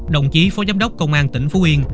đồng chí phó giám đốc công an tỉnh phú yên